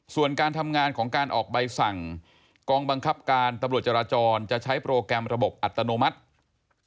ส่วนการทำงานของการออกใบสั่งกองบังคับการตำรวจจราจรจะใช้โปรแกรมระบบอัตโนมัติ